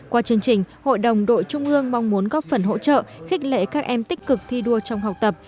qua chương trình hội đồng đội trung ương mong muốn góp phần hỗ trợ khích lệ các em tích cực thi đua trong học tập